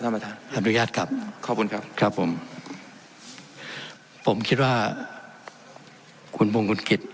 ท่านประธานอนุญาตครับขอบคุณครับครับผมผมคิดว่าคุณพงคุณกิจ